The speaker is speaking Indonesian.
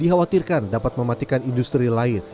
dikhawatirkan dapat mematikan industri lain